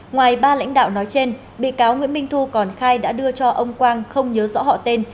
ngoài ba lãnh đạo nói trên bị cáo nguyễn minh thu còn khai đã đưa cho ông quang không nhớ rõ họ tên